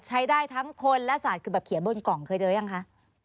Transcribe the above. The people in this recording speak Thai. ใช้ได้ทั้งคนและสัตว์คือแบบเขียนบนกล่องเคยเจอยังคะ